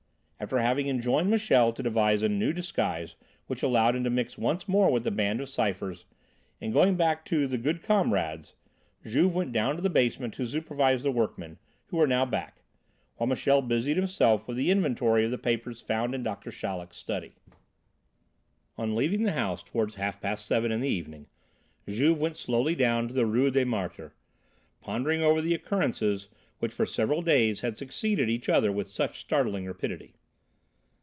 After having enjoined Michel to devise a new disguise which allowed him to mix once more with the Band of Cyphers and going back to "The Good Comrades," Juve went down to the basement to supervise the workmen, who were now back; while Michel busied himself with the inventory of the papers found in Doctor Chaleck's study. On leaving the house toward half past seven in the evening Juve went slowly down to the Rue des Martyrs, pondering over the occurrences which for several days had succeeded each other with such startling rapidity.